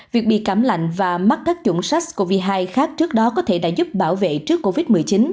việc bị cảm lạnh và mắc các chủng sars cov hai khác trước đó có thể đã giúp bảo vệ trước covid một mươi chín